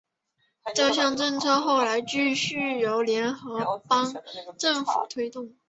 这项政策后来继续由联合邦政府推动。